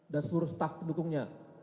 dan seluruh staf pendukungnya